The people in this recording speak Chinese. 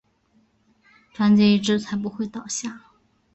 团结一致才不会倒下